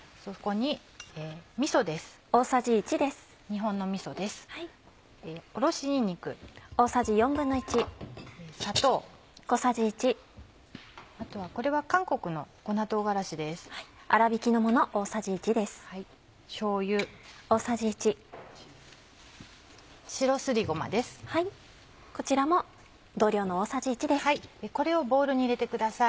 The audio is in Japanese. これをボウルに入れてください。